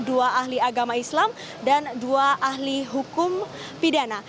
dua ahli agama islam dan dua ahli hukum pidana